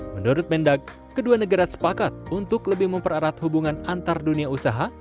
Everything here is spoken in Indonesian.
menurut mendak kedua negara sepakat untuk lebih mempererat hubungan antar dunia usaha